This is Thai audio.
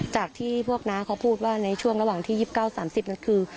จากที่พวกน้าเขาพูดว่าในช่วงระหว่างที่๒๙๓๐นั้นคือ